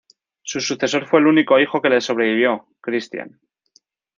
Su sucesor fue el único hijo que le sobrevivió, Cristián.